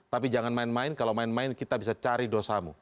tapi jangan main main kalau main main kita bisa cari dosamu